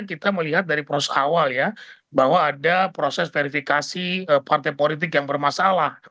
kita melihat dari proses awal ya bahwa ada proses verifikasi partai politik yang bermasalah